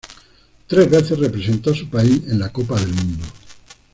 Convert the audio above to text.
Tres veces representó a su país en la Copa del Mundo.